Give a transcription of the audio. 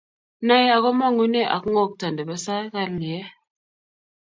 Nae ak kamong'unee ko kongta ne be sa kalyee.